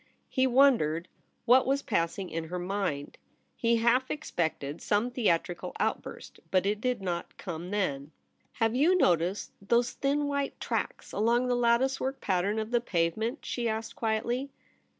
He wondered what was passing in her mind. He half expected some theatrical outburst ; but it did not come then. * Have you noticed those thin white tracks along the lattice work pattern of the pave ment ?' she asked quietly.